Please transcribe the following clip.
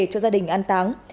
cho gia đình an táng